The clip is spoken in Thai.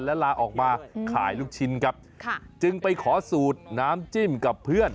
และลาออกมาขายลูกชิ้นครับค่ะจึงไปขอสูตรน้ำจิ้มกับเพื่อน